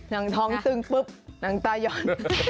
น้องท้องซึ้งปุ๊บหนังตายอน